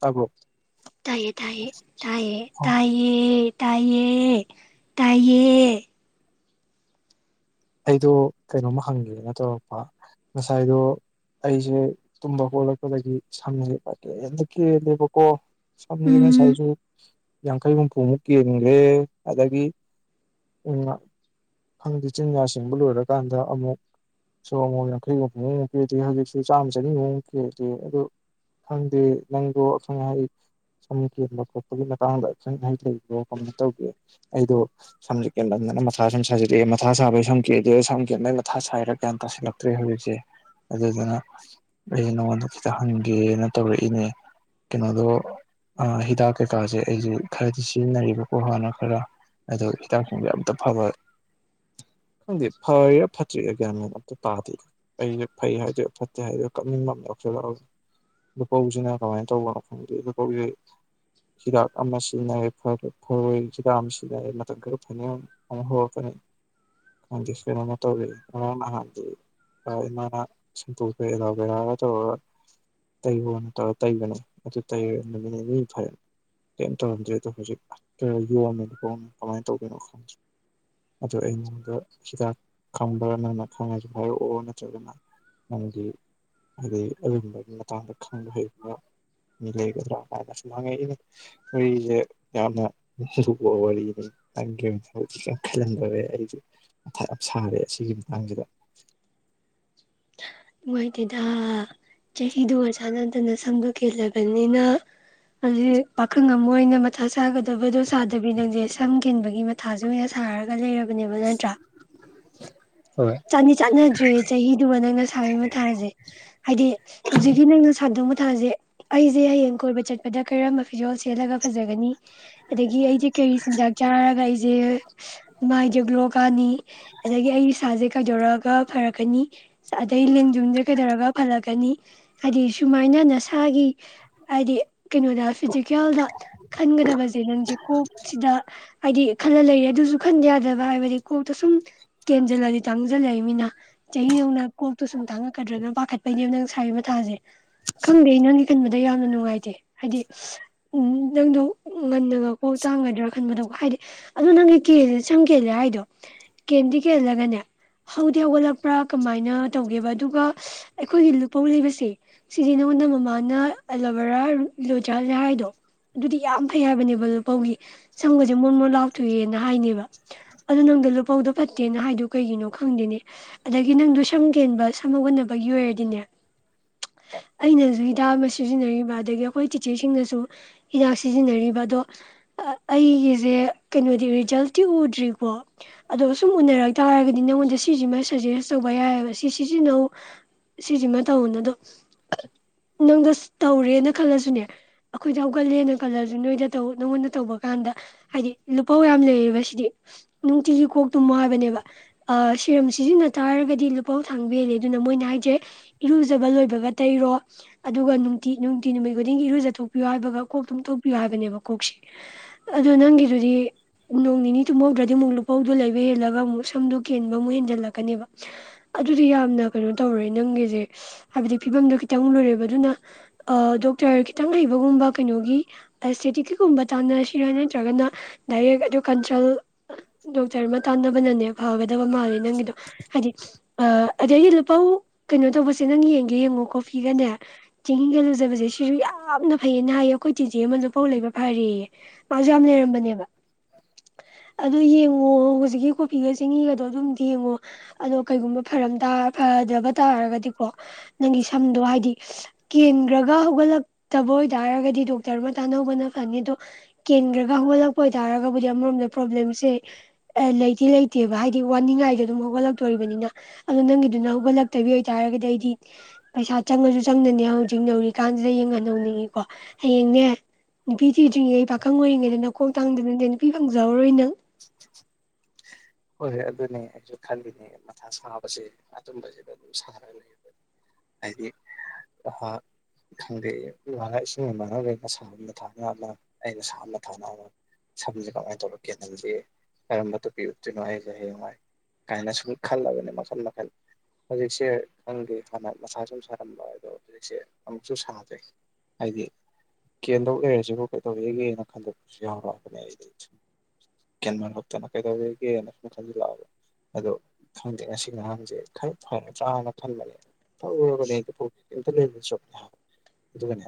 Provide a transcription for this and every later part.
ꯇꯥꯕ꯭ꯔꯣ ꯇꯥꯏꯌꯦ ꯇꯌꯦ ꯇꯥꯏꯌꯦ ꯑꯣ ꯇꯌꯦ ꯇꯌꯦ ꯇꯌꯦ ꯑꯩꯗꯣ ꯀꯩꯅꯣꯝꯃ ꯍꯪꯒꯦꯅ ꯇꯧꯔꯛꯄ ꯉꯁꯥꯏꯗꯣ ꯑꯩꯁꯦ ꯇꯨꯝꯕ ꯈꯣꯠꯂꯛꯄꯗꯒꯤ ꯁꯝꯅꯕ ꯍꯇ ꯀꯦꯜꯂꯦꯕꯀꯣ ꯁ ꯃ ꯎꯝ ꯆꯥꯏꯁꯨ ꯌꯥꯡꯈꯩ ꯍꯨꯝꯐꯨꯃꯨꯛ ꯀꯦꯟꯈ꯭ꯔꯦ ꯑꯗꯒꯤ ꯎ ꯐꯪꯗ ꯏꯆꯤꯟꯖ ꯆꯤꯡꯕ ꯂꯣꯏꯔꯀꯥꯟꯗ ꯑꯃꯨꯛꯁꯨ ꯑꯃꯨꯛ ꯌꯥꯡꯈꯩꯒꯨꯝꯐꯨꯨꯛꯃꯨꯛ ꯄꯤꯗꯦ ꯍꯧꯖꯤꯛꯁꯨ ꯆꯥꯝꯃ ꯆꯅꯤꯃꯨꯛꯃꯨꯛ ꯀꯦꯗꯦ ꯑꯗꯣ ꯈꯪꯗꯦ ꯅꯪꯗꯣ ꯑꯈꯪ ꯑꯍꯩ ꯁꯝ ꯀꯦꯟꯕ ꯈꯣꯠꯄꯒꯤ ꯃꯇꯥꯡꯗ ꯑꯈꯪ ꯑꯍꯩ ꯂꯩꯕ꯭ꯔꯣ ꯀꯃꯥꯏꯅ ꯇꯧꯒꯦ ꯑꯩꯗꯣ ꯁꯝ ꯀꯦꯟꯕꯗꯅ ꯃꯁꯥ ꯁꯨꯝ ꯁꯥꯖꯤꯛꯑꯦ ꯃꯊꯥ ꯁꯥꯕꯩ ꯁꯝꯒꯦ ꯑꯗꯨ ꯁꯝꯒꯦ ꯑꯗꯩ ꯃꯊꯥ ꯁꯥꯏꯔꯒ ꯀꯌꯥꯝ ꯇꯥꯁꯤꯜꯂꯛꯇ꯭ꯔꯦ ꯍꯧꯖꯤꯛꯁꯦ ꯑꯗꯨꯗꯨꯅ ꯑꯩꯁꯦ ꯅꯉꯣꯟꯗ ꯈꯤꯇ ꯍꯪꯒꯦꯅ ꯇꯧꯔꯛꯏꯅꯦ ꯀꯩꯅꯣꯗꯣ ꯍꯤꯗꯥꯛ ꯀꯩꯀꯥꯁꯦ ꯑꯩꯁꯦ ꯈꯔꯗꯤ ꯁꯤꯖꯤꯟꯅꯔꯤꯕꯀꯣ ꯍꯥꯟꯅ ꯈꯔ ꯑꯗꯣ ꯍꯤꯗꯥꯛꯁꯤꯡꯕ ꯑꯇ ꯐꯕ ꯈꯪꯗꯦ ꯐꯩꯔꯥ ꯐꯠꯇ꯭ꯔꯤ ꯑꯒ꯭ꯌꯥꯃꯦꯟ ꯑꯝꯇ ꯇꯥꯗꯦ ꯑꯩꯁꯦ ꯐꯩ ꯍꯥꯏꯗꯔ ꯐꯠꯇꯦ ꯍꯥꯏꯗꯣꯏꯔꯣ ꯀꯞꯅꯤꯡꯕ ꯑꯃ ꯂꯧꯁꯤꯜꯂꯛꯒ ꯂꯨꯄꯧꯁꯤꯅ ꯀꯃꯥꯏꯅ ꯇꯧꯕꯅꯣ ꯈꯪꯗꯦ ꯂꯨꯀꯧꯁꯤꯦ ꯍꯤꯗꯥꯛ ꯑꯃ ꯁꯤꯖꯤꯟꯅꯔꯦ ꯐꯔꯣꯏ ꯍꯤꯗꯥꯛ ꯑꯃ ꯁꯤꯖꯤꯟꯅꯔꯦ ꯃꯇꯝ ꯈꯔ ꯐꯅꯤꯡ ꯑꯃꯛ ꯍꯧꯔꯛꯄꯅꯤ ꯈꯪꯗꯦ ꯀꯩꯅꯣꯝꯃ ꯇꯧꯔꯛꯑꯦ ꯉꯔꯥꯡ ꯅꯍꯥꯟꯗꯤ ꯏꯃꯥꯅ ꯁꯟꯇꯣꯛ ꯑꯦꯂꯥꯕꯦꯔꯥꯒ ꯇꯧꯔꯒ ꯇꯩꯌꯣꯅ ꯇꯧꯔꯒ ꯇꯩꯕꯅꯦ ꯑꯗꯨ ꯇꯩꯔꯦ ꯅꯨꯃꯤꯠ ꯅꯤꯅꯤ ꯐꯩ ꯀꯩꯝ ꯇꯧꯔꯝꯗ꯭ꯔꯦ ꯑꯗꯣ ꯍꯧꯖꯤꯛꯔ ꯌꯣꯝꯃꯤꯅ ꯈꯣꯡꯃꯤ ꯀꯃꯥꯏꯅ ꯇꯧꯗꯣꯏꯅꯣ ꯈꯪꯗꯦ ꯑꯗꯣ ꯑꯩꯅ ꯑ ꯍꯤꯗꯥꯛ ꯈꯪꯕ ꯅꯪꯅ ꯈꯪꯉꯁꯨ ꯍꯥꯏꯔꯛꯑꯣ ꯅꯠꯇ꯭ꯔꯒꯅ ꯅꯪꯒꯤ ꯍꯥꯏꯗꯤ ꯑꯗꯨꯒꯨꯝꯕꯒꯤ ꯃꯇꯥꯡꯗ ꯈꯪꯕ ꯍꯩꯕꯕ ꯃꯤ ꯂꯩꯒꯗ꯭ꯔꯥ ꯀꯥꯏꯅꯁꯨꯨꯝꯃꯥꯡꯉꯛ ꯑꯩꯅ ꯋꯥꯔꯤꯁꯦ ꯌꯥꯝꯅ ꯂꯨꯕ ꯋꯥꯔꯤꯅꯤ ꯅꯪꯒꯤ ꯍ ꯆ ꯑꯩ ꯌꯥꯝ ꯁꯥꯔꯦ ꯑꯁꯤꯒꯤ ꯃꯇꯥꯡꯁꯤꯗ ꯅꯨꯡꯉꯥꯏꯇꯦꯗ ꯆꯍꯤꯗꯨꯣꯒꯁꯥꯅꯗꯅ ꯁꯝꯗꯣ ꯀꯦꯜꯂꯕꯅꯤꯅ ꯑꯗꯨ ꯄꯥꯈꯪ ꯑꯃ ꯑꯣꯏꯅ ꯃꯊꯥ ꯆꯥꯒꯗꯕꯗꯣ ꯆꯥꯗꯕꯅꯤ ꯅꯪꯁꯦ ꯁꯝ ꯀꯦꯟꯕꯒꯤ ꯃꯊꯥꯁꯨ ꯑꯣꯏꯅ ꯁꯥꯔꯒ ꯂꯩꯔꯕ ꯅꯠꯇ꯭ꯔꯥ ꯍꯣꯏ ꯆꯥꯅꯤ ꯆꯥꯟꯅꯗ꯭ꯔꯦ ꯆꯍꯤꯗꯨꯃ ꯅꯪꯅ ꯁꯥꯔꯤ ꯃꯥꯁꯦ ꯍꯥꯏꯗꯤ ꯍꯧꯖꯤꯛꯀꯤ ꯅꯪꯅ ꯁꯥꯗ ꯊꯥꯁꯦ ꯑꯩꯁꯦ ꯍꯌꯦꯡ ꯀꯣꯏꯕ ꯆꯠꯄꯗ ꯀꯔꯝꯕ ꯐꯤꯖꯣꯜ ꯁꯦꯂꯒ ꯐꯖꯒꯅꯤ ꯑꯗꯒꯤ ꯑꯩꯁꯦ ꯀꯩꯔꯤ ꯆꯤꯟꯖꯥꯛ ꯆꯥꯔꯒ ꯑꯩꯦ ꯦ ꯃꯥꯏ ꯖꯒ꯭ꯂꯣ ꯀꯥꯅꯤ ꯑꯗꯒꯤ ꯑꯩ ꯏꯁꯥꯁꯦ ꯈꯥꯏꯗꯣꯔꯛꯑꯒ ꯐꯔꯛꯀꯅꯤ ꯑꯗꯩ ꯌꯨꯝꯗꯦ ꯀꯩꯗꯧꯔꯒ ꯐꯜꯂꯛꯀꯅꯤ ꯍꯥꯏꯗꯤ ꯁꯨꯃꯥꯏꯅ ꯅꯁꯥꯒꯤ ꯍꯥꯏꯗꯤ ꯀꯩꯅꯣꯗ ꯐꯤꯖꯤꯀꯦꯜꯗ ꯈꯟꯒꯗꯕꯁꯦ ꯅꯪꯁꯦ ꯀꯣꯛꯁꯤꯗ ꯍꯥꯏꯗꯤ ꯈꯜꯂ ꯂꯩꯔꯦ ꯑꯗꯨꯁꯨ ꯈꯟꯗꯤ ꯌꯥꯗꯕ ꯍꯥꯏꯕꯗꯤ ꯀꯣꯛꯇ ꯁꯨꯝ ꯀꯦꯟꯁꯤꯜꯂꯗꯤ ꯆꯪꯁꯤꯜꯂꯛꯏꯃꯤꯅ ꯆꯍꯤ ꯅꯧꯅ ꯀꯣꯛꯇꯨ ꯁꯨꯝ ꯊꯥꯡꯉꯛꯗ꯭ꯔꯒꯅ ꯄꯥꯈꯠꯄꯅꯦꯅ ꯅꯪ ꯁꯥꯥꯏꯕ ꯊꯥꯁꯦ ꯀꯝꯗꯦ ꯏꯅꯣꯣꯟꯗ ꯃ ꯑꯗ ꯌꯥꯝꯅ ꯅꯨꯡꯉꯥꯏꯇꯦ ꯍꯥꯏꯗꯤ ꯎ ꯅꯪꯗꯣ ꯉꯟꯅꯒ ꯀꯣꯛ ꯇꯥꯡꯒꯗ꯭ꯔꯥ ꯈꯟꯕꯗꯣ ꯍꯥꯏꯗꯤ ꯑꯗꯣ ꯅꯪꯒꯤ ꯀꯦꯜꯦ ꯁꯝ ꯀꯦꯜꯂꯦ ꯍꯥꯏꯗꯣ ꯀꯦꯟꯗꯤ ꯀꯦꯜꯂꯒꯅꯦ ꯍꯧꯗꯤ ꯍꯧꯒꯠꯂꯛꯄ꯭ꯔꯥ ꯀꯃꯥꯏꯅ ꯇꯧꯒꯦꯕ ꯑꯗꯨꯒ ꯑꯩꯈꯣꯏꯒꯤ ꯂꯨꯄꯧ ꯂꯩꯕꯁꯦ ꯁꯤꯗꯤ ꯅꯉꯣꯟꯗ ꯃꯃꯥꯅ ꯑꯦꯂꯣꯕꯦꯔꯥ ꯂꯣꯏꯖꯍꯜꯂꯦ ꯍꯥꯏꯗꯣ ꯑꯗꯨꯗꯤ ꯌꯥꯝ ꯐꯩ ꯍꯥꯏꯕꯅꯦꯕ ꯂꯨꯄꯧꯒꯤ ꯁꯪꯒꯁꯦ ꯃꯣꯔꯃꯣ ꯂꯥꯎꯊꯣꯛꯑꯦꯅ ꯍꯥꯏꯅꯦꯕ ꯑꯗꯣ ꯅꯪꯗ ꯂꯨꯄꯧꯗꯣ ꯐꯠꯇꯦꯅ ꯍꯥꯏꯗ ꯀꯩꯒꯤꯅꯣ ꯈꯪꯗꯦꯅꯦ ꯑꯗꯒꯤ ꯅꯪꯗꯣ ꯁꯝ ꯀꯦꯟꯕ ꯁꯝꯧꯒꯟꯅꯅꯕꯒꯤ ꯑꯣꯏꯔꯗꯤꯅꯦ ꯑꯩꯅꯁꯨ ꯍꯤꯗꯥꯛ ꯑꯃ ꯁꯤꯖꯤꯟꯅꯔꯤꯕ ꯑꯗꯒꯤ ꯑꯩꯈꯣꯏ ꯇꯤꯆꯔꯁꯤꯡꯅꯁꯨ ꯍꯤꯗꯥꯛ ꯁꯤꯖꯤꯟꯅꯔꯤꯕ ꯑꯗꯣ ꯑꯩꯒꯤꯁꯦ ꯀꯩꯅꯣꯗꯤ ꯔꯤꯖꯜꯇꯤ ꯎꯗ꯭ꯔꯤꯀꯣ ꯑꯗꯣ ꯁꯨꯝ ꯎꯅꯔ ꯇꯥꯔꯒꯗꯤ ꯅꯪꯉꯣꯟꯗ ꯁꯤꯁꯤꯃ ꯁꯖꯦꯁ ꯇꯧꯕ ꯌꯥꯏꯑꯕ ꯁꯤ ꯁꯤꯖꯤꯟꯅꯧ ꯁꯤꯁꯤꯃ ꯇꯧꯅ ꯑꯗꯣ ꯅꯪꯗ ꯇꯧꯔꯦꯅ ꯈꯜꯂꯁꯨꯅꯦ ꯑꯩꯈꯣꯏꯗ ꯍꯧꯒꯠꯂꯦꯅ ꯈꯜꯂꯁꯨ ꯅꯣꯏꯗ ꯇꯧ ꯅꯪꯉꯣꯟꯗ ꯇꯧꯕ ꯀꯥꯟꯗ ꯍꯥꯏꯗꯤ ꯂꯨꯄꯥꯧ ꯌꯥꯝ ꯂꯩꯌꯦꯕ ꯁꯤꯗꯤ ꯅꯨꯡꯇꯤꯒꯤ ꯀꯣꯛꯇꯨꯝ ꯃ ꯍꯥꯏꯕꯅꯦꯕ ꯁꯤꯔꯝ ꯁꯤꯖꯤꯟꯅ ꯇꯥꯔꯒꯗꯤ ꯂꯨꯐꯧ ꯊꯥꯡꯕ ꯍꯦꯜꯂꯦ ꯑꯗꯨꯅ ꯃꯣꯏꯅ ꯍꯥꯏꯁꯦ ꯏꯔꯨꯖꯕ ꯂꯣꯏꯕꯒ ꯇꯩꯔꯣ ꯑꯗꯨꯒ ꯅꯨꯡꯇꯤ ꯅꯨꯡꯇꯤ ꯅꯨꯃꯤꯠ ꯈꯨꯗꯤꯡꯒꯤ ꯏꯔꯨꯖꯊꯣꯛꯄꯤꯌꯣ ꯍꯥꯏꯕꯒ ꯀꯣꯛꯇꯨꯝꯊꯣꯛꯄꯤꯌꯣ ꯍꯥꯏꯕꯅꯦꯕ ꯀꯣꯛꯁꯦ ꯑꯗꯣ ꯅꯪꯒꯤꯗꯨꯗꯤ ꯅꯣꯡ ꯅꯤꯅꯤ ꯇꯨꯝꯍꯧꯗ꯭ꯔꯗꯤ ꯑꯃꯨꯛ ꯂꯨꯄꯧꯗꯣ ꯂꯩꯕ ꯍꯦꯜꯂꯒ ꯑꯃꯨꯛ ꯐꯤꯝꯗꯣ ꯀꯦꯟꯕ ꯑꯃꯨꯛ ꯍꯦꯟꯖꯜꯂꯛꯀꯅꯦꯕ ꯑꯗꯨꯗꯤ ꯌꯥꯝꯅ ꯀꯩꯅꯣ ꯇꯧꯔꯦ ꯅꯪꯒꯤꯁꯦ ꯍꯥꯏꯕꯗꯤ ꯐꯤꯕꯝꯗꯣ ꯈꯤꯇꯪ ꯂꯣꯏꯔꯦꯕ ꯑꯗꯨꯅ ꯗꯣꯛꯇꯔ ꯈꯤꯇꯪ ꯍꯩꯕꯒꯨꯝꯕ ꯀꯩꯅꯣꯒꯤꯁꯇꯦꯇꯤꯛꯀꯤꯒꯨꯝꯕ ꯇꯥꯟꯅꯁꯤꯔꯥ ꯅꯠꯇ꯭ꯔꯒꯅ ꯗꯥꯏꯔꯦꯛ ꯑꯗꯨ ꯀꯟꯁꯜ ꯗꯣ ꯆꯔꯃ ꯇꯥꯟꯅꯕꯅꯅꯤ ꯐꯒꯗꯕ ꯃꯥꯜꯂꯤ ꯅꯪꯒꯤꯗꯨꯣ ꯍꯥꯏꯗꯤ ꯑꯗꯩꯗꯤ ꯂꯨꯄꯧ ꯀꯩꯅꯣ ꯇꯧꯕꯁꯦ ꯅꯪ ꯌꯦꯡꯒꯦ ꯌꯦꯡꯉꯣ ꯀꯣꯐꯤꯒꯅꯦ ꯆꯦꯡꯍꯤꯒ ꯂꯨꯖꯕꯁꯦ ꯁꯤꯁꯨ ꯌꯥꯝꯅ ꯐꯩꯌꯦꯅ ꯍꯥꯏꯌꯦ ꯑꯩꯈꯣꯏ ꯆꯤꯆꯦ ꯑꯃ ꯂꯨꯄꯧ ꯂꯩꯕ ꯐꯔꯦꯌꯦ ꯃꯥꯁꯨ ꯌꯥꯝ ꯂꯩꯔꯝꯕꯅꯦꯕ ꯑꯗꯨꯗ ꯌꯦꯡꯉꯣ ꯍꯧꯖꯤꯛꯀꯤ ꯀꯣ ꯐꯤꯒ ꯆꯤꯡꯍꯤꯒꯗꯣ ꯑꯗꯨꯝ ꯌꯦꯡꯉꯣ ꯑꯗꯣ ꯀꯩꯒꯨꯝꯕ ꯐꯔꯝ ꯇꯥ ꯐꯗꯕ ꯇꯥꯔꯒꯗꯤꯀꯣ ꯅꯪꯒꯤ ꯁꯝꯗꯣ ꯍꯥꯏꯗꯤ ꯀꯦꯟꯈ꯭ꯔꯒ ꯍꯧꯒꯠꯂꯛꯇꯕ ꯑꯣꯏꯇꯥꯔꯒꯗꯤ ꯗꯣꯛꯇꯔ ꯑꯃ ꯇꯥꯅ ꯍꯧꯕꯅ ꯐꯅꯤ ꯑꯗꯣ ꯀꯦꯟꯈ꯭ꯔꯒ ꯍꯧꯒꯠꯂꯛꯄ ꯑꯣꯏꯇꯥꯔꯒꯕꯨꯗꯤ ꯑꯃꯔꯣꯝꯗ ꯄ꯭ꯔꯣꯕ꯭ꯂꯦꯝꯁꯦ ꯂꯩꯇꯤ ꯂꯩꯇ ꯅꯠꯇꯦꯕ ꯍꯥꯏꯗꯤ ꯋꯥꯅꯤꯡꯉꯥꯏꯗꯣ ꯑꯗꯨꯝ ꯍꯧꯒꯠꯂꯛꯇꯣꯔꯤꯕꯅꯤꯅ ꯑꯗꯣ ꯅꯪꯒꯤꯗꯨꯅ ꯍꯧꯒꯠꯂꯛꯇꯕꯤ ꯑꯣꯏꯇꯥꯔꯒꯗꯤ ꯑꯩꯗꯤ ꯄꯩꯁꯥ ꯆꯪꯉꯁꯨ ꯆꯪꯅꯅꯦ ꯍꯧꯖꯤꯛ ꯅꯧꯔꯤꯀꯥꯟꯁꯤꯗ ꯌꯦꯡ ꯍꯟ ꯅꯧꯅꯤꯡꯉꯤꯀꯣ ꯍꯌꯦꯡꯅꯦ ꯅꯨꯄꯤ ꯊꯤꯗ꯭ꯔꯤꯉꯩ ꯄꯥꯈꯪ ꯑꯣꯏꯔꯤꯉꯩꯗ ꯅꯈꯣꯛ ꯇꯥꯡꯗꯅꯠꯇ ꯅꯨꯄꯤ ꯐꯪꯖꯍꯧꯔꯣꯏ ꯅꯪ [unintelligible] ꯍꯣꯏꯣꯏ ꯑꯗꯨꯅꯦ ꯑꯩꯁꯨ ꯈꯜꯂꯤꯅꯦ ꯃꯊꯥ ꯁꯥꯕꯁꯦ ꯑꯗꯨꯝꯕꯁꯤꯗ ꯑꯗꯨꯝ ꯁꯥꯔꯒ ꯂꯩꯕ ꯍꯥꯏꯗꯤ ꯈꯪꯗꯦ ꯃꯅ ꯏꯁꯤꯡ ꯃꯥꯡꯍꯜꯂ‌ꯦ ꯁꯥꯕ ꯃꯊꯅꯥ ꯑꯃꯥ ꯑꯩꯅꯥ ꯁꯥꯕ ꯃꯥꯊꯥꯅ ꯑꯃ ꯁꯝꯁꯦ ꯀꯃꯥꯏꯅ ꯇꯧꯕ ꯀꯦꯜꯁꯦ ꯀꯔꯝꯕ ꯇꯨꯞꯄꯤ ꯀꯩꯅꯣ ꯑꯩꯁꯦ ꯍꯌꯦꯡꯋꯥꯏ ꯀꯥꯏꯅ ꯁꯨꯝ ꯈꯜꯂꯕꯅꯦ ꯃꯈꯜ ꯃꯈꯜ ꯍꯧꯖꯤꯛꯁꯦ ꯈꯪꯒꯤꯦ ꯍꯥꯟꯅ ꯃꯁꯥ ꯁꯨꯝ ꯁꯥꯔꯝꯕ ꯑꯗꯣ ꯍꯧꯖꯤꯛꯁꯦ ꯑꯃꯨꯛꯁꯨ ꯁꯥꯗꯔꯦ ꯍꯥꯏꯗꯤ ꯀꯦꯟꯗꯧ ꯂꯩꯔꯁꯤꯕꯨ ꯀꯩꯗꯧꯔꯤꯒꯦꯅ ꯈꯟꯗꯣꯛꯄꯁꯨ ꯌꯥꯎꯔꯛꯑꯕꯅꯦ ꯑꯩꯗꯤ ꯁꯨꯝ ꯀꯦꯟ ꯃꯟ ꯂꯛꯇꯅ ꯀꯩꯗꯧꯔ ꯒꯦꯅ ꯃꯊꯟꯁꯨ ꯂꯥꯛꯑꯣ ꯑꯗꯣ ꯈꯪꯗꯦ ꯉꯁꯤ ꯉꯔꯥꯡꯁꯦ ꯈꯔ ꯐꯔ ꯇ꯭ꯔꯥꯅ ꯈꯟꯕꯅꯦ ꯐꯔꯨꯔꯕꯅꯦ ꯑꯩ ꯀꯩꯕꯅꯦ ꯍꯥꯏꯕ ꯑꯗꯨꯒꯅꯦ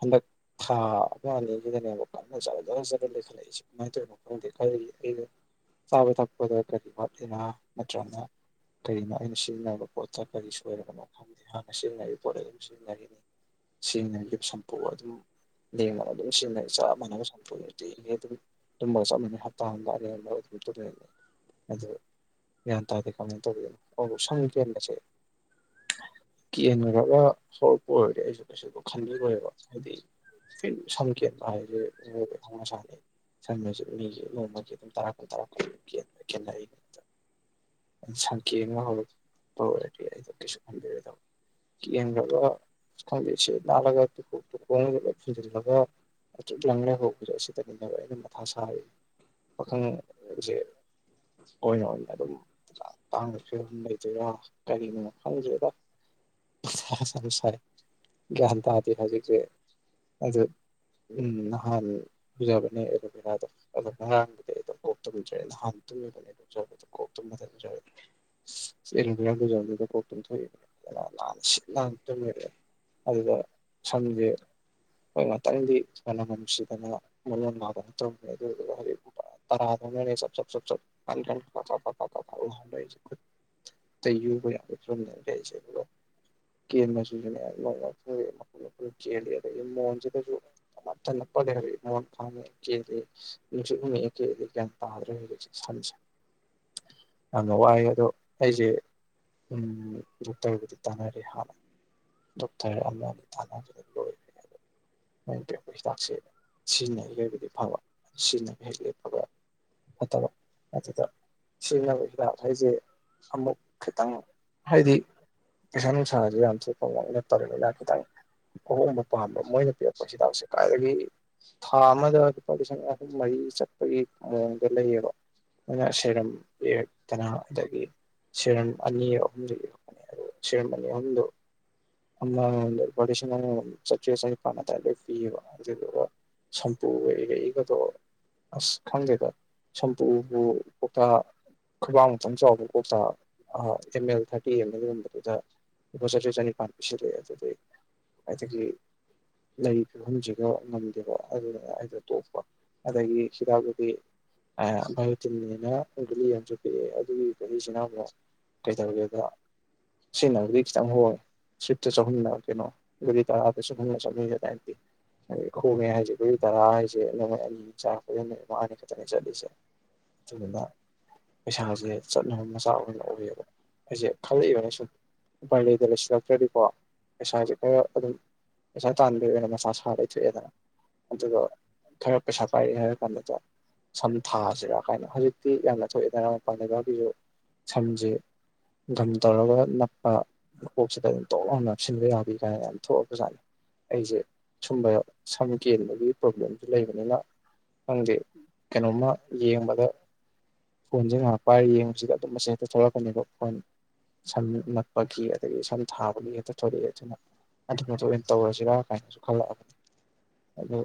ꯍꯟꯗꯛ ꯊꯥ ꯑꯃ ꯑꯅꯤꯒꯤꯗꯅꯦꯕ ꯀꯟꯅ ꯖꯔ ꯖꯔ ꯂꯩꯈꯠꯂꯛꯏꯁꯦ ꯀꯃꯥꯏꯅ ꯇꯧꯔꯤꯅꯣ ꯈꯪꯗꯦ ꯈꯜꯂꯤ ꯑꯩ ꯆꯥꯕ ꯊꯛꯄꯗ ꯀꯔꯤ ꯋꯥꯠꯂꯤꯔꯥ ꯅꯠꯇ꯭ꯔꯒꯅ ꯀꯔꯤꯅꯣ ꯑꯩꯅ ꯁꯤꯖꯤꯟꯅꯕ ꯄꯣꯠꯇ ꯀꯔꯤ ꯁꯣꯏꯔꯕꯅꯣ ꯈꯪꯗꯦ ꯍꯥꯟꯅ ꯁꯤꯖꯤꯟꯅꯔꯤꯕ ꯄꯣꯠ ꯑꯗꯨꯝ ꯁꯤꯖꯤꯟꯅꯔꯤꯅꯤ ꯁꯤꯖꯤꯟꯅꯈꯤꯕ ꯁꯝꯄꯨ ꯑꯗꯨꯝ ꯂꯦꯡꯗꯅ ꯑꯗꯨꯝ ꯁꯤꯖꯤꯟꯅꯩ ꯆꯞ ꯃꯥꯟꯅꯕ ꯁꯝꯄꯨ ꯑꯗꯨ ꯇꯦꯛꯉꯦ ꯑꯗꯨꯝ ꯇꯨꯝꯃꯒ ꯆꯞ ꯃꯥꯟꯅꯩ ꯍꯞꯇꯥꯗ ꯑꯅꯤ ꯔꯛ ꯑꯍꯨꯝ ꯂꯛ ꯇꯨꯝ ꯑꯗꯨ ꯒ꯭ꯌꯥꯟ ꯇꯥꯗꯦ ꯀꯃꯥꯏꯅ ꯇꯧꯕꯤꯗꯣꯏꯅꯣ ꯑꯗꯨ ꯁꯝ ꯀꯦꯟꯕꯁꯦ ꯀꯦꯟꯈ꯭ꯔꯒ ꯍꯧꯔꯛꯄ ꯑꯣꯏꯔꯗꯤ ꯑꯩꯁꯨ ꯀꯩꯁꯨ ꯈꯟꯕꯤꯔꯣꯏꯕ ꯍꯥꯏꯗꯤ ꯀꯩꯅꯣ ꯁꯝ ꯀꯦꯟꯕ ꯍꯥꯏꯁꯦꯕ ꯃꯤ ꯑꯣꯏꯕꯩ ꯍꯧꯅ ꯁꯅꯦ ꯁꯝꯁꯦ ꯃꯤꯒꯤ ꯅꯣꯡꯃꯒꯤ ꯑꯗꯨꯝ ꯇꯔꯥ ꯀꯨꯟ ꯇꯔꯥ ꯀꯨꯟ ꯀꯦꯟꯕ ꯀꯦꯟꯅꯔꯤꯅꯦ ꯀꯦꯡꯕ ꯍꯧꯔꯛꯄ ꯑꯣꯏꯔꯗꯤ ꯑꯩꯗ ꯀꯩꯁꯨ ꯈꯪꯕꯤꯔꯣꯏꯗꯕ ꯀꯦꯡ ꯒꯔꯒꯥ ꯈꯪꯗ‌ꯦ ꯁꯤꯠ ꯅꯥꯜꯂꯒ ꯇꯨꯈꯣꯡꯒ ꯂꯣꯏ ꯐꯨꯟꯖꯤꯜꯂꯒ ꯂꯪꯇ꯭ꯔꯤꯛ ꯂꯪꯪꯂ ꯍꯧꯕꯁꯦ ꯑꯁꯤꯗꯅꯤꯅꯦꯕ ꯑꯩꯅ ꯃꯊꯥ ꯁꯥꯔꯤ ꯄꯥꯈꯪ [unintelligible] ꯍꯣꯏꯅꯦ ꯍꯣꯏꯅꯦ ꯑꯗꯨꯝ ꯇꯥꯡꯕ ꯐꯤꯕꯝ ꯂꯩꯗꯣꯏꯔꯥ ꯀꯔꯤꯅꯣ ꯈꯪꯗ꯭ꯔꯦꯗ ꯃꯊꯥ ꯁꯥꯏ ꯒ꯭ꯌꯥꯟ ꯇꯥꯗꯦ ꯍꯧꯖꯤꯛꯁꯤ ꯑꯗꯨ ꯎꯝ ꯅꯍꯥꯟ ꯎꯖꯕꯅꯦ ꯑꯦꯂꯣꯚꯦꯔꯥꯗꯣ ꯑꯗꯣ ꯉꯔꯥꯡꯕꯨꯗꯤ ꯑꯗꯨꯝ ꯀꯣꯛꯇꯨꯝꯖꯔꯦ ꯅꯍꯥꯟ ꯇꯨꯝꯃꯤꯕꯅꯦ ꯂꯨꯖꯕꯗ ꯀꯣꯛ ꯇꯨꯝꯕ ꯂꯨꯖꯔꯦ ꯁꯤ ꯑꯦꯂꯣꯕꯤꯔꯥ ꯂꯨꯖꯕꯅꯤꯗ ꯀꯣꯛ ꯇꯨꯝꯊꯣꯛꯏꯕꯅꯤ ꯑꯗꯨꯅ ꯅꯥꯟꯅ ꯁꯤꯠ ꯅꯥꯟꯅ ꯇꯨꯝꯃꯤꯔꯦ ꯑꯗꯨꯗ ꯁꯝꯁꯦ ꯍꯣꯏ ꯉꯥꯛꯇꯪꯗꯤ ꯃꯅꯝ ꯅꯨꯡꯁꯤꯗꯅ ꯃꯣꯟ ꯃꯣꯟ ꯅꯥꯗꯅ ꯇꯧ ꯔꯝꯕꯅꯦ ꯑꯗꯨꯗꯨꯒ ꯍꯧꯖꯤꯛ ꯇꯔꯥ ꯗꯧ ꯅꯥꯅꯦ ꯆꯞ ꯆꯞ ꯀꯟ ꯈꯔꯥꯅꯤ ꯆꯞ ꯆꯞ ꯍꯝꯗꯣꯛ ꯏꯁꯦ ꯈꯨꯠ ꯑꯇꯩ ꯌꯨꯕ ꯌꯥꯕꯩ ꯐꯤ ꯚꯝ ꯗꯅꯦ ꯂꯩꯔꯤ ꯁꯦ ꯗꯨꯒꯥ ꯀꯦꯅꯕꯥ ꯁꯤꯁꯨꯅꯦ ꯃꯄꯨꯝ ꯃꯄꯨꯃ ꯀꯦꯜꯂꯦ ꯑꯗꯩ ꯃꯣꯟꯁꯤꯗꯁꯨ ꯆꯅꯞ ꯆꯅꯞ ꯄꯥꯒꯥ ꯂꯩꯔꯦ ꯃꯣꯟ ꯈꯥꯡ ꯕꯁꯤꯗ ꯆꯦꯟꯈꯔꯦ ꯅꯨꯡꯁꯤꯠ ꯍꯨꯃ ꯃꯛ ꯑꯦ ꯀꯦꯜꯂ‌ꯦ ꯒ꯭ꯌꯥ ꯇꯥꯗ꯭ꯔꯦ ꯍꯧꯖꯤꯛꯁꯦ ꯁꯝꯁꯦ ꯌꯥꯝꯅ ꯋꯥꯏꯑ‌ꯦ ꯑꯗꯣ ꯑꯩꯁꯦ ꯗꯣꯛꯇ꯭ꯔꯕꯨꯗꯤ ꯇꯥꯟꯅꯔꯦ ꯍꯥꯟꯅ ꯗꯣꯛꯇ꯭ꯔ ꯑꯃꯗꯤ ꯇꯥꯟꯅꯕꯗ ꯂꯣꯏꯔꯦ ꯑꯗꯣ ꯃꯣꯏꯅ ꯄꯤꯔꯛꯄ ꯍꯤꯗꯥꯛꯁꯦ ꯁꯤꯖꯤꯟꯅꯔꯤꯈꯩꯕꯨꯗꯤ ꯐꯕ ꯁꯤꯖꯤꯟꯅꯕ ꯍꯦꯛ ꯂ‌ꯦꯞ ꯐꯠꯇꯕ ꯑꯗꯨꯗ ꯁꯤꯖꯤꯟ ꯅꯥꯔ‌ꯦ ꯍꯤꯗꯥꯛ ꯍꯥꯏꯁꯦ ꯑꯃꯨꯛ ꯈꯤꯇꯪ ꯍꯥꯏꯗꯤ ꯄꯩꯁꯥ ꯅꯨꯡꯁꯥꯁꯨ ꯌꯥꯝ ꯊꯄ ꯅꯠꯇꯔꯅꯤꯅ ꯈꯤꯇꯪ ꯑꯍꯣꯡꯕ ꯑꯄꯥꯝꯕ ꯃꯣꯏꯅ ꯄꯤꯔꯛꯄ ꯁꯤꯗꯗꯥꯎꯁꯦ ꯑꯗꯨꯗꯒꯤ ꯊꯥ ꯑꯃꯗ ꯂꯨꯄꯥ ꯂꯤꯁꯤꯡ ꯃꯔꯤ ꯆꯠ ꯒꯤ ꯃꯑꯣꯡꯗ ꯂꯩꯌꯦꯕ ꯅꯣꯏꯅ ꯁꯦꯔꯝ ꯌꯦꯛꯇꯅ ꯑꯗꯒꯤ ꯁꯦꯔꯝ ꯑꯅꯤ ꯑꯍꯨꯝꯗ ꯌꯦꯔꯛꯄꯅꯦ ꯑ ꯁꯦꯔꯝ ꯑꯅꯤ ꯑꯍꯨꯝꯗꯣ ꯑꯃꯝꯗ ꯂꯨꯄꯥ ꯂꯤꯁꯤꯡ ꯑꯃꯃꯝ ꯆꯥꯇ꯭ꯔꯦꯠ ꯆꯅꯤꯄꯥꯟ ꯑꯗꯨꯋꯥꯏ ꯂꯣꯏ ꯄꯤꯑꯕ ꯑꯗꯨꯗꯨꯒ ꯁꯝꯄꯨꯒ ꯏꯔꯛꯏꯒꯗꯣ ꯑꯁ ꯈꯪꯗꯦꯗ ꯁꯝꯄꯨꯕꯨ ꯀꯧꯇꯥ ꯈꯣꯏꯕꯥꯡꯃꯨꯛꯇꯪ ꯆꯥꯎꯕ ꯀꯧꯇꯥ ꯑꯦꯝ ꯑꯦꯜ ꯊꯥꯔꯇꯤ ꯑꯃꯒꯨꯝꯕꯗꯨꯗ ꯂꯨꯄꯥ ꯆꯥꯇ꯭ꯔꯦꯠ ꯆꯅꯤꯄꯥꯟ ꯄꯤꯁꯤꯜꯂꯛꯑꯦ ꯑꯗꯨꯗꯤ ꯑꯩꯒꯤ ꯂꯩ ꯐꯤꯕꯝꯁꯤꯒ ꯉꯝꯗꯦꯕ ꯑꯗꯨꯗꯨꯅ ꯑꯩꯗꯣ ꯇꯣꯛꯄ ꯑꯗꯒꯤ ꯍꯤꯗꯗꯤ ꯚꯥꯅꯤꯅ ꯒꯂꯤ ꯌꯥꯝꯁꯨ ꯄꯤꯛꯑꯦ ꯑꯗꯨꯒꯤ ꯁꯤ ꯀꯩꯗꯧꯔꯒꯦ ꯑꯗ ꯁꯤꯅꯕꯨꯗꯤ ꯈꯤꯇꯪ ꯍꯣꯡꯉꯦ ꯁꯋꯤꯠꯇ ꯆꯍꯨꯝꯅ ꯀꯩꯅꯣ ꯑꯗꯨꯒꯤ ꯇꯔꯥꯗ ꯆꯍꯨꯝꯅ ꯆꯍꯨꯝ ꯑꯗꯨ ꯑꯗꯨꯏꯗꯤ ꯍꯣꯡꯉꯦ ꯍꯥꯏꯁꯦ ꯑꯩꯈꯣꯏꯒꯤ ꯇꯔꯥ ꯍꯥꯏꯁꯦ ꯅꯣꯡꯣꯏ ꯑꯅꯤ ꯆꯥ ꯐꯖꯅ ꯏꯃꯥꯅꯤ ꯈꯛꯇꯅꯦ ꯆꯠꯂꯤꯁꯦ ꯑꯗꯨꯗꯨꯅ ꯄꯩꯁꯥꯁꯦ ꯆꯠꯅꯕ ꯃꯆꯥꯛ ꯑꯣꯏꯌꯦꯕ ꯑꯩꯁꯦ ꯈꯜꯂꯛꯏꯅ ꯁ ꯎꯄꯥꯏ ꯂꯩꯗ ꯂꯩꯁꯤꯜꯂꯛꯇ꯭ꯔꯗꯤꯀꯣ ꯄꯩꯁꯥꯁꯦ ꯈꯔ ꯑꯗꯨꯝ ꯄꯩꯁꯥ ꯇꯥꯟꯕꯒꯤ ꯑꯣꯏꯅ ꯃꯆꯥꯥ ꯁꯥ ꯂꯩꯊꯣꯛꯑꯦꯗꯅ ꯑꯗꯨꯒ ꯈꯔ ꯄꯩꯁꯥ ꯄꯥꯏꯔꯦ ꯍꯥꯏꯔ ꯀꯩꯅꯗ ꯁꯝ ꯊꯥꯁꯤꯔꯥ ꯀꯥꯏꯅ ꯍꯧꯖꯤꯛꯇꯤ ꯌꯥꯝꯅ ꯊꯣꯛꯑꯦꯗꯅ ꯃꯄꯥꯟ ꯂꯩꯕꯥꯛꯀꯤꯁꯨ ꯁꯝꯁꯦ ꯒꯝ ꯇꯧꯔꯒ ꯅꯞꯄ ꯃꯀꯣꯛꯁꯤꯗ ꯑꯗꯨꯝ ꯇꯣꯛꯅ ꯅꯞꯁꯤꯟꯕ ꯌꯥꯕꯤ ꯀꯥꯏꯅ ꯌꯥꯝ ꯊꯣꯛꯑꯕꯖꯥꯠꯅꯤ ꯑꯩꯁꯦ ꯁꯨꯝꯕ ꯁꯝ ꯀꯦꯟꯕꯒꯤ ꯄ꯭ꯔꯣꯕ꯭ꯂꯦꯝꯁꯨ ꯂꯩꯕꯅꯤꯅ ꯈꯪꯗꯦ ꯀꯩꯅꯣꯝꯃ ꯌꯦꯡꯕꯗ ꯐꯣꯟꯁꯦ ꯉꯥꯏꯍꯥꯛ ꯄꯥꯏꯔ ꯌꯦꯡꯕꯁꯤꯗ ꯑꯗꯨꯝ ꯃꯁꯤ ꯍꯦꯛꯇ ꯊꯣꯛꯂꯛꯀꯅꯤꯕ ꯐꯣꯟ ꯁꯝ ꯅꯛꯄꯒꯤ ꯑꯗꯒꯤ ꯁꯝ ꯊꯥꯕꯒꯤ ꯍꯦꯛꯇ ꯊꯣꯛꯂꯛꯑꯦ ꯑꯗꯨꯅ ꯑꯗꯨꯅ ꯃꯇꯨꯡ ꯑꯣꯏꯅ ꯇꯧꯔꯁꯤꯔꯥ ꯀꯥꯏꯅꯁꯨ ꯈꯜꯂꯛꯑꯕꯅꯤ ꯑꯗꯨ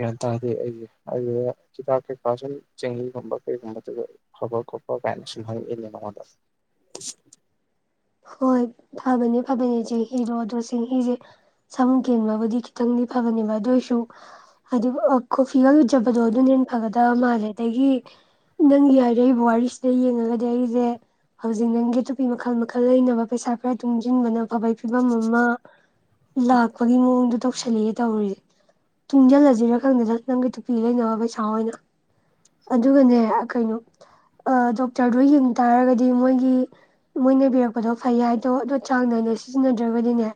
ꯒ꯭ꯌꯥꯟ ꯇꯥꯔꯗꯤ ꯑꯩꯒꯤ ꯑꯗꯨ ꯍꯤꯗꯥꯛ ꯀꯩꯀꯥ ꯁꯨꯝ ꯆꯦꯡꯍꯤꯒꯨꯝꯕ ꯀꯩꯒꯨꯝꯕꯗꯨꯗ ꯐꯕ ꯈꯣꯠꯄ ꯀꯥꯏꯅ ꯁꯨꯝ ꯍꯪꯉꯛꯏꯅꯦ ꯅꯉꯣꯟꯗ ꯍꯣꯏ ꯐꯕꯅꯤ ꯐꯕꯅꯦꯆꯦ ꯍꯤꯔꯣ ꯑꯗꯨ ꯆꯦꯡꯍꯤꯁꯦ ꯁꯃꯨ ꯀꯦꯟꯕꯕꯨꯗꯤ ꯈꯤꯇꯪꯗꯤ ꯐꯕꯅꯦꯕ ꯑꯗꯨ ꯑꯣꯏꯔꯁꯨ ꯍꯥꯏ ꯀꯣꯐꯤꯒ ꯎꯠꯖꯕꯗꯣ ꯑꯗꯨꯅꯦ ꯑꯗ ꯃꯥꯁꯦ ꯑꯗꯒꯤ ꯅꯪꯒꯤ ꯍꯥꯏꯔꯛꯏꯕ ꯋꯥꯔꯤꯁꯤꯗ ꯌꯦꯡꯉꯒꯗꯤ ꯑꯩꯁꯦ ꯍꯧꯖꯤꯛ ꯅꯪꯒꯤ ꯑ ꯅꯨꯄꯤ ꯃꯈꯜ ꯏꯈꯜ ꯂꯩꯅꯕ ꯄꯩꯁꯥ ꯈꯔ ꯇꯨꯡꯁꯤꯟꯕꯅ ꯑꯐꯕꯩ ꯐꯤꯕꯝ ꯑꯃ ꯂꯥꯛꯄꯒꯤ ꯃꯑꯣꯡꯗꯨ ꯇꯧꯁꯜꯂꯤꯌꯦ ꯇꯧꯔꯤꯁꯦ ꯇꯨꯡꯁꯤꯜꯂꯁꯤꯔꯥ ꯈꯪꯗꯗꯅ ꯅꯪꯒꯤ ꯇꯨꯄꯤ ꯂꯩꯅꯕ ꯄꯩꯁꯥ ꯑꯣꯏꯅ ꯑꯗꯨꯒꯅꯦ ꯀꯩꯅꯣ ꯗꯣꯛꯇꯔꯗꯣ ꯌꯦꯡ ꯇꯥꯔꯒꯗꯤ ꯃꯣꯏꯒꯤ ꯃꯣꯏꯅ ꯄꯤꯔꯛꯄꯗꯣ ꯐꯩ ꯍꯥꯏ ꯑꯗꯣ ꯑꯗꯣ ꯆꯥꯡ ꯅꯥꯏꯅ ꯁꯤꯖꯤꯟꯅꯗ꯭ꯔꯒꯗꯤꯅꯦ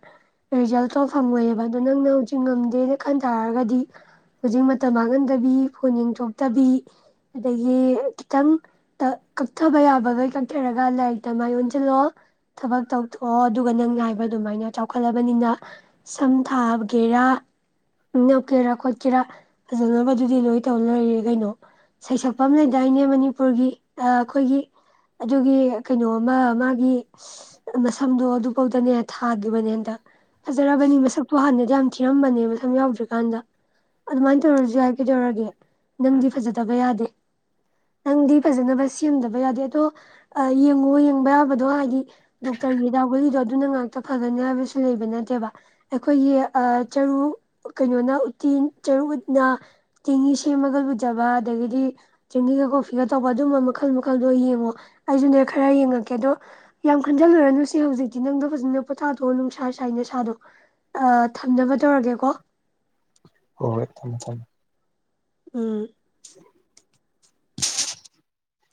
ꯔꯤꯖꯜꯇꯣ ꯐꯪꯉꯣꯏꯑꯕ ꯑꯗꯣ ꯅꯪꯅ ꯍꯧꯖꯤꯛ ꯉꯝꯗꯦꯅ ꯈꯟ ꯇꯥꯔꯒꯗꯤ ꯍꯧꯖꯤꯛ ꯃꯇꯝ ꯃꯥꯡꯍꯟꯗꯕꯤ ꯐꯣꯟ ꯌꯦꯡꯊꯣꯛꯇꯕꯤ ꯑꯗꯒꯤ ꯈꯤꯇꯪ ꯀꯛꯊꯕ ꯌꯥꯕꯈꯣꯏ ꯀꯛꯊꯔꯒ ꯂꯥꯏꯔꯤꯛꯇ ꯃꯥꯏ ꯑꯣꯟꯁꯤꯜꯂꯣ ꯊꯕꯛ ꯇꯧꯊꯣꯛꯑꯣ ꯑꯗꯨꯒ ꯅꯪꯅ ꯍꯥꯏꯕ ꯑꯗꯨꯃꯥꯏꯅ ꯆꯥꯎꯈꯠꯂꯕꯅꯤꯅ ꯁꯝ ꯊꯥꯒꯦꯔꯥ ꯅꯧꯀꯦꯔꯥ ꯈꯣꯠꯀꯦꯔꯥ ꯐꯖꯅꯕꯗꯨꯗꯤ ꯂꯣꯏ ꯇꯧ ꯂꯣꯏꯔꯦ ꯀꯩꯅꯣ ꯁꯩꯁꯛꯄ ꯑꯃ ꯂꯩꯗꯥꯏꯅꯦ ꯃꯅꯤꯨꯔ ꯃꯅꯤꯄꯨꯔꯒꯤ ꯑꯩꯈꯣꯏꯒꯤ ꯑꯗꯨꯒꯤ ꯀꯩꯅꯣꯃ ꯃꯥꯒꯤ ꯅ ꯁꯝꯗꯣ ꯑꯗꯨꯐꯧꯗꯅꯦ ꯊꯥꯒꯤꯕꯅꯦ ꯍꯟꯗꯛ ꯐꯖꯔꯕꯅꯤ ꯃꯁꯛꯇꯨ ꯍꯥꯟꯅꯗ ꯌꯥꯝ ꯊꯤꯔꯝꯕꯅꯦꯕ ꯃꯁꯝ ꯌꯥꯎꯗ꯭ꯔꯤꯀꯥꯟꯗ ꯑꯗꯨꯃꯥꯏꯅ ꯇꯧꯔꯁꯨ ꯌꯥꯏ ꯀꯩꯗꯧꯔꯒꯦ ꯅꯪꯗꯤ ꯐꯖꯗꯕ ꯌꯥꯗꯦ ꯅꯪꯗꯤ ꯐꯖꯅꯕ ꯁꯦꯝꯗꯕ ꯌꯥꯗꯦ ꯑꯗꯣ ꯌꯦꯡꯉꯣ ꯌꯦꯡꯕ ꯌꯥꯕꯗꯣ ꯍꯥꯏꯗꯤ ꯗꯣꯛꯇꯔꯒꯤ ꯍꯤꯗꯥꯛ ꯒꯨꯂꯤꯗꯣ ꯑꯗꯨꯅ ꯉꯥꯛꯇ ꯐꯒꯅꯤ ꯍꯥꯏꯕꯁꯨ ꯂꯩꯕ ꯅꯠꯇꯦꯕ ꯑꯩꯈꯣꯏꯒꯤ ꯆꯔꯨ ꯀꯩꯅꯣꯅ ꯎꯠꯇꯤ ꯆꯔꯨ ꯎꯠꯅ ꯆꯦꯡꯍꯤ ꯁꯦꯝꯃꯒ ꯂꯨꯖꯕ ꯑꯗꯒꯤꯗꯤ ꯆꯦꯡꯍꯤꯒ ꯀꯣꯐꯤꯒ ꯇꯧꯕ ꯑꯗꯨꯝꯕ ꯃꯈꯜ ꯃꯈꯜꯗꯣ ꯌꯦꯡꯉꯣ ꯑꯩꯁꯨꯅꯦ ꯈꯔ ꯌꯦꯡꯉꯛꯀꯦ ꯑꯗꯣ ꯌꯥꯝ ꯈꯟꯖꯜꯂꯨꯔꯅꯨꯨꯁꯤꯜꯦ ꯍꯧꯖꯤꯛꯇꯤ ꯅꯪꯗꯣ ꯐꯖꯅ ꯄꯣꯊꯥꯊꯣꯛꯑꯣ ꯅꯨꯡꯁꯥ ꯁꯥꯏ ꯅꯁꯥꯗꯣ ꯊꯝꯖꯅꯕ ꯇꯧꯔꯒꯦꯀꯣ ꯍꯣꯏ ꯍꯣꯏ ꯊꯝꯃꯦ ꯊꯝꯃꯦ ꯎꯝ